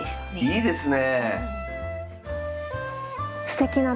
いいですねえ。